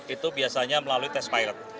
itu biasanya melalui tes pilot